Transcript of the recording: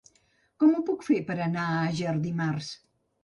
Com ho puc fer per anar a Àger dimarts?